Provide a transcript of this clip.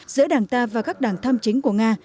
giữa đảng ta và các đảng tham chính của nga